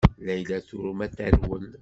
Layla turem ad terwel.